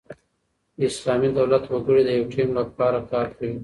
د اسلامي دولت وګړي د یوه ټیم له پاره کار کوي.